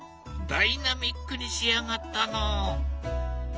ダイナミックに仕上がったのう。